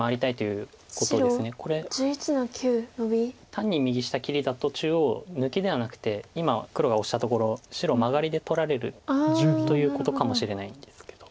単に右下切りだと中央抜きではなくて今黒がオシたところ白マガリで取られるということかもしれないんですけど。